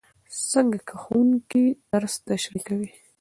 څنګه ښوونکی درس تشریح کوي؟